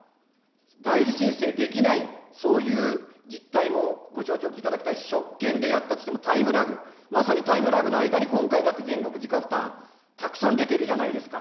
代理申請できない、そういう実態もご承知おきいただきたいし、職権でやったとしてもタイムラグ、まさにタイムラグの間に、今回だって全額自己負担、たくさん出てるじゃないですか。